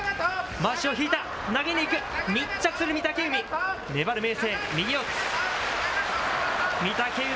まわしを引いた、投げにいく、密着する御嶽海。